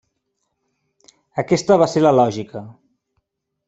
Aquesta va ser la lògica.